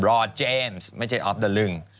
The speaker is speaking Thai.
รอเจมส์ไม่ใช่ออฟเดอลึง